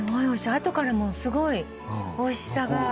あとからもすごいおいしさが。